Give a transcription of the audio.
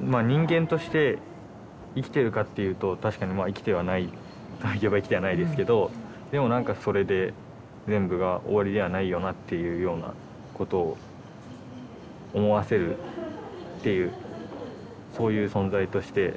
まあ人間として生きてるかっていうと確かにまあ生きてはないといえば生きてはないですけどでもなんかそれで全部が終わりではないよなというようなことを思わせるっていうそういう存在として。